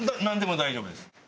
なんでも大丈夫です。